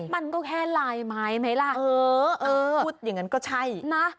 มันก็แค่ลายไม้ไหมล่ะเออพูดอย่างนั้นก็ใช่นะ